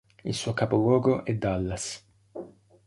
Il suo capoluogo è Dallas.